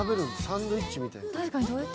サンドイッチみたいに？